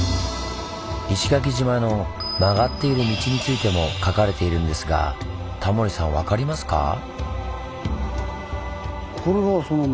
石垣島の曲がっている道についても書かれているんですがタモリさん分かりますか？